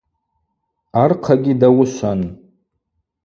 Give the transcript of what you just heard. Архъагьи дауышван.